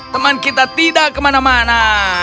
teman kita tidak kemana mana